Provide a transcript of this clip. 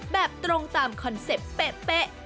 แบบตรงตามคอนเซ็ปต์เป๊ะ